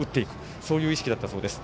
そういう意識だったそうです。